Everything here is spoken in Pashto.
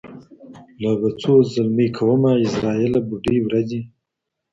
لا به څو زلمۍ کومه عزراییله بوډۍ ورځي